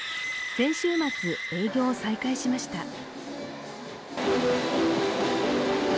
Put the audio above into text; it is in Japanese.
先週末、営業を再開しました。